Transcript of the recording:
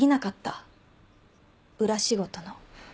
裏仕事の。